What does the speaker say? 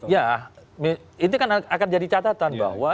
ya itu kan akan jadi catatan bahwa